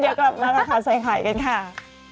ถ้าเดี๋ยวกลับมาก็ขอใส่ข่ายกันค่ะ